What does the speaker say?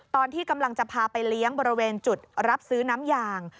ตอนที่กำลังจะพาไปเลี้ยงบริเวณจุดรับซื้อน้ำยาง